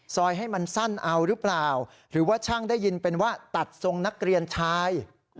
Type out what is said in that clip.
ให้มันสั้นเอาหรือเปล่าหรือว่าช่างได้ยินเป็นว่าตัดทรงนักเรียนชาย